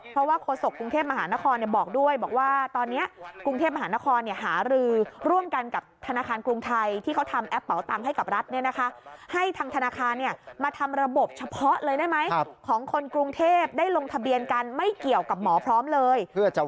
เพราะว่าโฆษกรุงเทพมหานครบอกด้วย